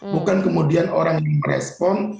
bukan kemudian orang yang merespon